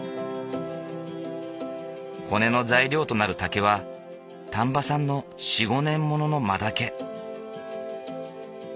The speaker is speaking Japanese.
骨の材料となる竹は丹波産の４５年ものの真竹。